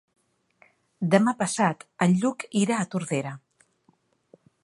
Demà passat en Lluc irà a Tordera.